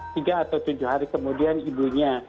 tiga atau tujuh hari kemudian ibunya